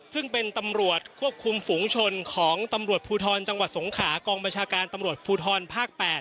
ซึ่งเป็นตำรวจควบคุมฝุงชนของตำรวจภูทรจังหวัดสงขากองบัญชาการตำรวจภูทรภาค๘